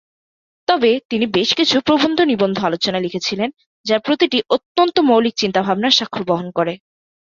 তবে তিনি বেশ কিছু প্রবন্ধ-নিবন্ধ-আলোচনা লিখেছিলেন যার প্রতিটি অত্যন্ত মৌলিক চিন্তা-ভাবনার স্বাক্ষর বহন করে।